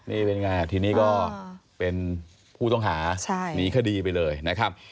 นี่เป็นไงทีนี้ก็เป็นผู้ต้องหาหนีคดีไปเลยนะครับ